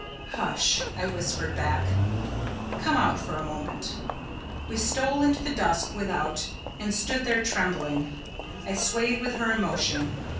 "Hush," I whispered back; "come out for a moment!" We stole into the dusk without, and stood there trembling. I swayed with her emotion.